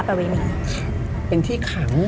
เป็นที่ขัง